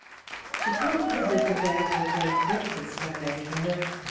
She came hither to day to a great breakfast I made for her.